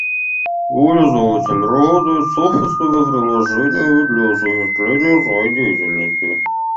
Пользователь работает с офисными приложениями для осуществления своей деятельности